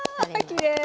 きれい。